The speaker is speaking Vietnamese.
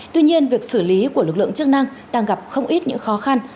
tuy nhiên việc xử lý của lực lượng chức năng đang gặp không ít những khó khăn